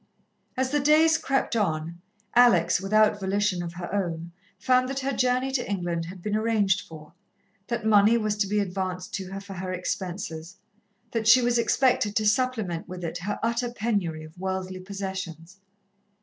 As the days crept on, Alex, without volition of her own, found that her journey to England had been arranged for that money was to be advanced to her for her expenses, that she was expected to supplement with it her utter penury of worldly possessions.